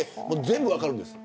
全部分かるんです。